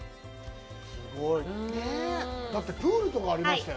だって、プールとかありましたよね。